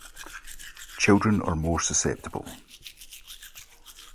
Children are more susceptible.